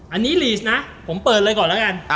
อันนี้ลีสนะผมเปิดเลยก่อนแล้วกัน